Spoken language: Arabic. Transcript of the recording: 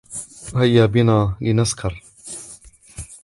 هيا بنا لنسكر.